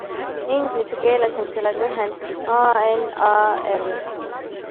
Inglise keeles on selle lühend ANAL.